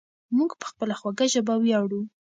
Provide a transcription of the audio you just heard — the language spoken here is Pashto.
موږ په خپله خوږه ژبه ویاړو.